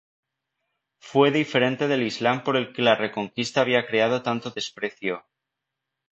Fue diferente del Islam por el que la Reconquista había creado tanto desprecio.